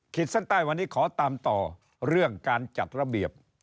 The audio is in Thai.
เส้นใต้วันนี้ขอตามต่อเรื่องการจัดระเบียบ